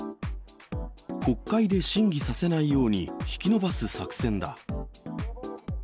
国会で審議させないように引き延ばす作戦だ。